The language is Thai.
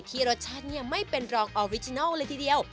รสชาติไม่เป็นรองออริจินัลเลยทีเดียว